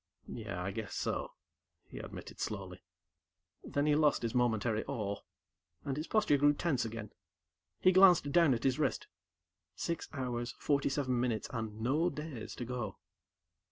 "Yeah, I guess so," he admitted slowly. Then he lost his momentary awe, and his posture grew tense again. He glanced down at his wrist. Six hours, forty seven minutes, and no days to go.